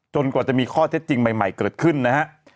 กว่าจะมีข้อเท็จจริงใหม่เกิดขึ้นนะฮะ